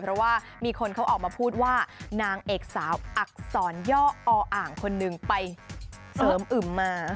เพราะว่ามีคนเขาออกมาพูดว่านางเอกสาวอักษรย่ออ่างคนหนึ่งไปเสริมอึมมา